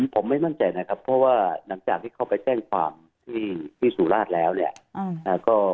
ผมไม่มั่นใจนะครับเพราะว่าหลังจากที่เขาไปแจ้งความที่สุราชแล้วเนี่ย